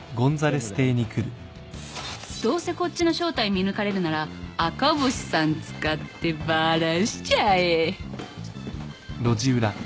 どうせこっちの正体見抜かれるなら赤星さん使ってバラしちゃえ。